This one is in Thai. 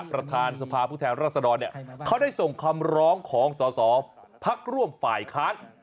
ประธานสภาพุทธแทนรัฐษนรเนี่ยเขาได้ส่งคำร้องของส่อพักร่วมฝ่ายค้าน